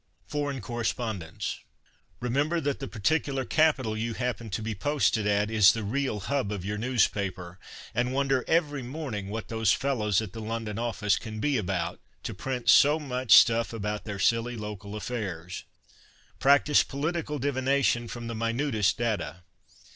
Foreign Correspondence. — Remember that the particular capital you happen to be posted at is the real hub of your newspaper, and wonder every morning " what those fellows at the London odice can be about" to printsomuchstuff about their silly local affairs. Practise political divination from the minutest data.